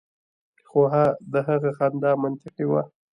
خو د هغه خندا منطقي وه